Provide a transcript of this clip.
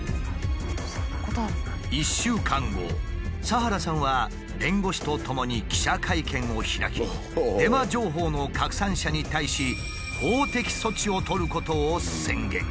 １週間後さはらさんは弁護士とともに記者会見を開きデマ情報の拡散者に対し法的措置を取ることを宣言した。